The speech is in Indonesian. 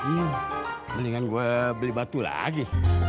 hmm mendingan gue beli batu lagi